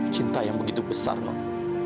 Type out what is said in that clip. cinta yang begitu besar dong